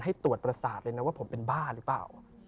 ให้ตรวจประสาทเลยนะว่าผมเป็นบ้าหรือเปล่า